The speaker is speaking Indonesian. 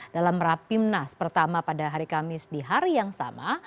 dalam rapimnas pertama pada hari kamis di hari yang sama